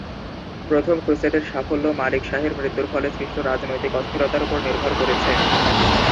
প্রথম ক্রুসেডের সাফল্য মালিক শাহের মৃত্যুর ফলে সৃষ্ট রাজনৈতিক অস্থিরতার উপর নির্ভর করেছে।